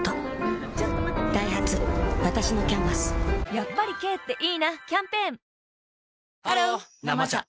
やっぱり軽っていいなキャンペーンハロー「生茶」